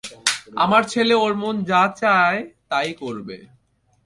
আমার ছেলে ওর মন যা চাই তাই করবে।